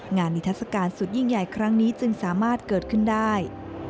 นิทัศกาลสุดยิ่งใหญ่ครั้งนี้จึงสามารถเกิดขึ้นได้